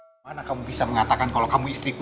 gimana kamu bisa mengatakan kalau kamu istriku